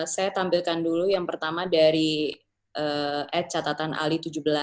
saya tampilkan dulu yang pertama dari at catatan ali tujuh belas